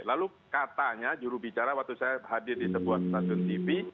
lalu katanya jurubicara waktu saya hadir di sebuah stasiun tv